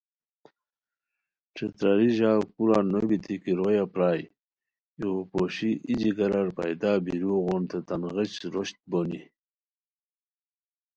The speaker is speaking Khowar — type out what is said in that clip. ݯھتراری ژاؤ کورا نو بیتی کی رویا پرائے ایغو پوشی ای جگرار پیدا بیروؤ غون تیتان غیچ روشت بونی